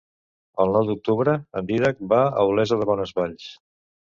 El nou d'octubre en Dídac va a Olesa de Bonesvalls.